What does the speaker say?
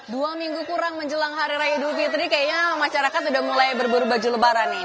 dua minggu kurang menjelang hari raya idul fitri kayaknya masyarakat sudah mulai berburu baju lebaran nih